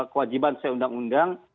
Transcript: kewajiban sesuai undang undang